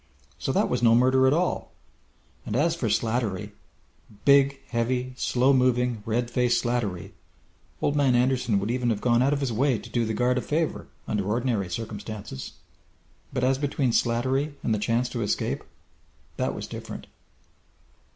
So that was no murder at all! And as for Slattery big, heavy, slow moving, red faced Slattery Old Man Anderson would even have gone out of his way to do the guard a favour, under ordinary circumstances. But as between Slattery and the chance to escape that was different.